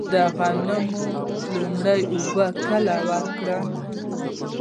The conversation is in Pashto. د غنمو لومړۍ اوبه کله ورکړم؟